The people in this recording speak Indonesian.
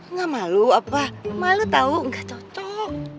enggak malu apa malu tau enggak cocok